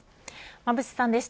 馬渕さんでした。